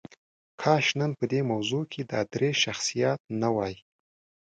کاش نن په دې موضوع کې دا درې شخصیات نه وای.